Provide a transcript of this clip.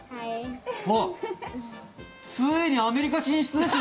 ついにアメリカ進出です。